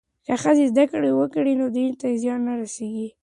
که ښځې زدهکړه ونه کړي، دین ته زیان رسېږي.